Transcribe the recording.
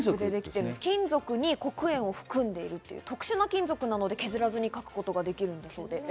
金属に黒鉛を含んでいる特殊な金属なので、削らずに書くことができるそうです。